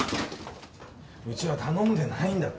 うちは頼んでないんだってば。